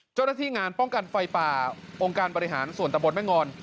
เจ้าหน้าที่งานป้องกันไฟป่าองค์การบริหารส่วนตะบนแม่งอน